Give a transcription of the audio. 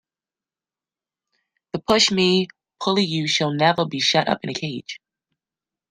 The pushmi-pullyu shall never be shut up in a cage.